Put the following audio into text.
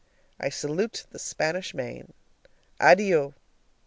I salute the Spanish main. ADDIO!